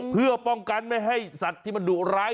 เพื่อป้องกันไม่ให้สัตว์ที่มันดุร้าย